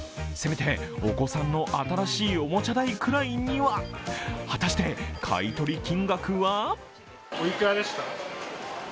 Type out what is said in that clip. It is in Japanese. せめて、お子さんの新しいおもちゃ代くらいには果たして、買い取り金額は？